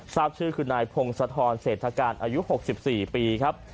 ทราบชื่อคือนายพงศธรเศรษฐการอายุ๖๔ปีครับ